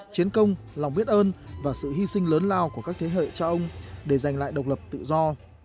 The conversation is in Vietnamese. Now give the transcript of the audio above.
chiến công lòng biết ơn và sự hy sinh lớn lao của các thế hệ cha ông để giành lại độc lập tự do